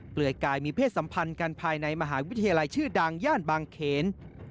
ยกายมีเพศสัมพันธ์กันภายในมหาวิทยาลัยชื่อดังย่านบางเขน